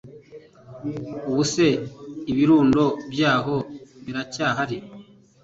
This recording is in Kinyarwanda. Ubuse ibirundo byaho biracyahari